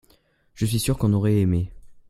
je suis sûr qu'on aurait aimé.